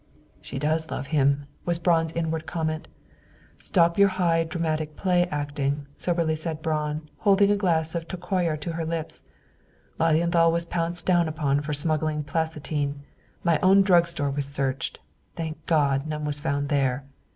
"She does love him," was Braun's inward comment. "Stop your high dramatic play acting," soberly said Braun, holding a glass of Tokayer to her lips. "Lilienthal was pounced down upon for smuggling phenacetine. My own drug store was searched. Thank God! none was found there.